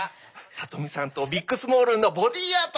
さとみさんとビックスモールンのボディーアート。